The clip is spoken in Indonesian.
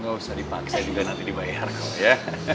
gak usah dipaksa juga nanti dibayar kok ya